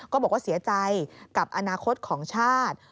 ก็บอกว่าเสียใจกับอนาคตของชาติ